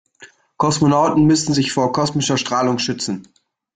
Kosmonauten müssen sich vor kosmischer Strahlung schützen.